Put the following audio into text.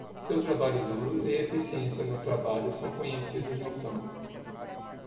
Seu trabalho duro e eficiência no trabalho são conhecidos no campo.